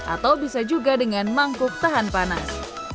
atau bisa juga dengan mangkuk tahan panas